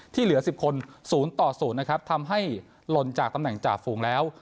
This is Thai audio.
ที่เหลือ๑๐คนศูนย์ต่อศูนย์นะครับทำให้ลนจากตำแหน่งจาบฟูงแล้ว